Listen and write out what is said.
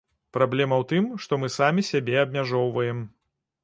Праблема ў тым, што мы самі сябе абмяжоўваем.